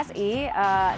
seperti yang dikatakan tadi